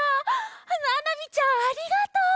ななみちゃんありがとう！